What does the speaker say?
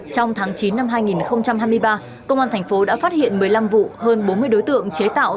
trong tháng chín năm hai nghìn hai mươi ba công an thành phố đã phát hiện một mươi năm vụ hơn bốn mươi đối tượng chế tạo